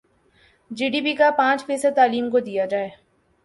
جی D P کا پانچ فیصد تعلیم کو دیا جائے